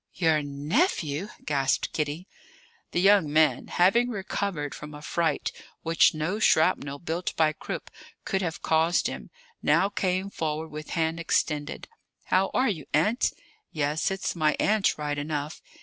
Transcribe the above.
"Your nephew!" gasped Kitty. The young man, having recovered from a fright which no shrapnel built by Krupp could have caused him, now came forward with hand extended. "How are you, Aunt? yes, it's my aunt, right enough.